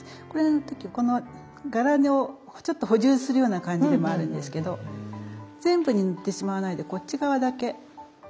これの時はこの柄をちょっと補充するような感じでもあるんですけど全部に塗ってしまわないでこっち側だけ。